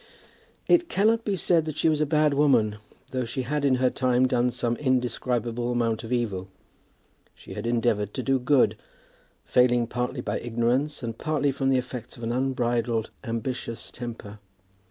It cannot be said that she was a bad woman, though she had in her time done an indescribable amount of evil. She had endeavoured to do good, failing partly by ignorance and partly from the effects of an unbridled, ambitious temper.